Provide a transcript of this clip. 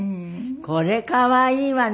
これ可愛いわね！